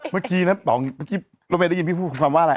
เมื่อกี้นะป๋องเมื่อกี้รถเมยได้ยินพี่พูดคำว่าอะไร